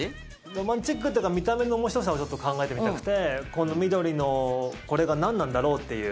ロマンチックっていうか見た目の面白さを考えてみたくてこの緑のこれが何なんだろうっていう。